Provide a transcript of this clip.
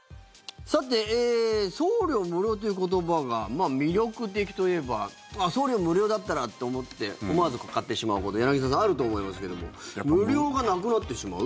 送料無料という言葉が魅力的といえばあ、送料無料だったらと思って思わず買ってしまうこと柳澤さん、あると思いますけども無料がなくなってしまう？